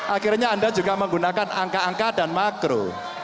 akhirnya anda juga menggunakan angka angka dan makro